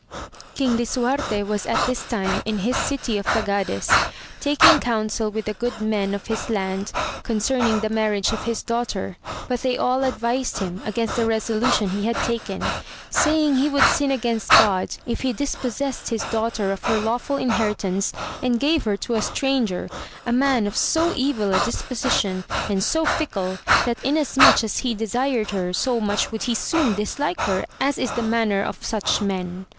Bang Lisuarte was at this time in his city of Ta gades, taking counsel with the good men of his land concerning the marriage of his daughter, but they all advised him against the resolution he had taken, saying he would sin against God, if he dispossessed his daughter of her lawful inheritance, and gave her to a stranger, a man of so evil a disposition, and so fickle, that in as much as he desired her, so much would he soon dislike her, as is the manner of such men.